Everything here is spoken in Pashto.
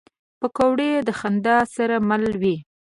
پکورې د خندا سره مل وي